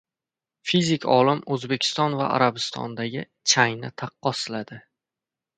Fizik olim O‘zbekiston va Arabistondagi changni taqqosladi